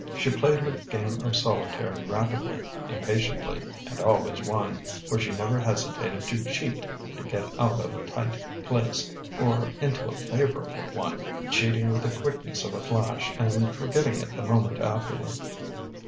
She played her game of solitaire rapidly, impatiently, and always won; for she never hesitated to cheat to get out of a tight place, or into a favorable one, cheating with the quickness of a flash, and forgetting it the moment afterward.